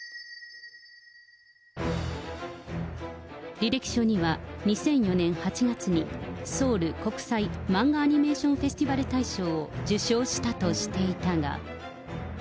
履歴書には、２００４年８月に、ソウル国際マンガアニメーションフェスティバル大賞を受賞したとしていたが。